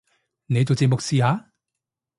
你做節目試下